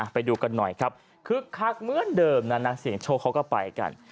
ไปดูกันหน่อยครับคึกคักเหมือนเดิมนะนักเสียงโชคเขาก็ไปกัน